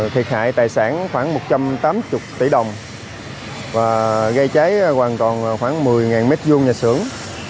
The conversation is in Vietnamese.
thiệt hại tài sản khoảng một trăm tám mươi tỷ đồng và gây cháy hoàn toàn khoảng một mươi m hai nhà xưởng